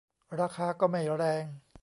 ราคาก็ไม่แรง